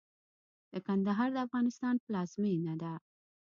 د کندهار د افغانستان پلازمېنه ده.